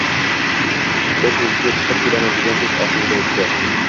Qo`shninikiga chiqib kelaman, degandek ohangda aytdi